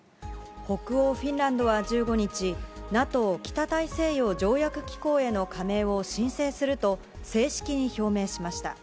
北欧フィンランドは１５日、ＮＡＴＯ・北大西洋条約機構への加盟を申請すると、正式に表明しました。